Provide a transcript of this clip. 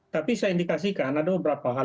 tapi saya indikasikan ada beberapa hal